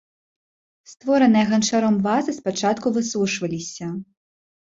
Створаныя ганчаром вазы спачатку высушваліся.